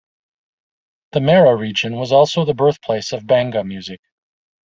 The Mara Region was also the birthplace of Benga music.